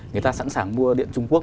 người ta sẵn sàng mua điện trung quốc